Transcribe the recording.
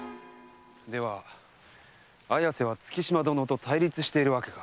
では綾瀬は月島殿と対立しているわけか。